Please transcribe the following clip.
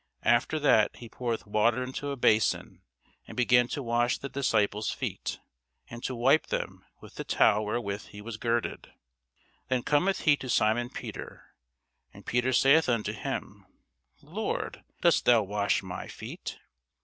After that he poureth water into a bason, and began to wash the disciples' feet, and to wipe them with the towel wherewith he was girded. Then cometh he to Simon Peter: and Peter saith unto him, Lord, dost thou wash my feet?